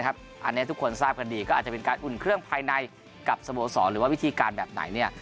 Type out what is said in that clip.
อันนี้ทุกคนทราบกันดีก็อาจจะเป็นการอุ่นเครื่องภายในกับสโมสรหรือว่าวิธีการแบบไหน